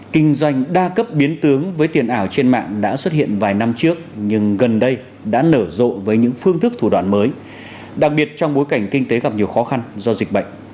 kinh doanh đa cấp biến tướng với tiền ảo trên mạng đã xuất hiện vài năm trước nhưng gần đây đã nở rộ với những phương thức thủ đoạn mới đặc biệt trong bối cảnh kinh tế gặp nhiều khó khăn do dịch bệnh